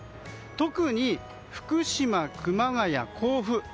特に福島、熊谷、甲府。